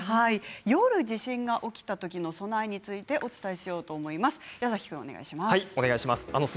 夜、地震が起きたときの備えについてお伝えします。